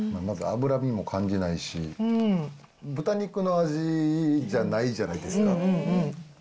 まず脂身も感じないし、豚肉の味じゃないじゃないですか。